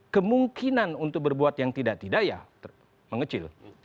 kemungkinan untuk berbuat yang tidak tidak ya mengecil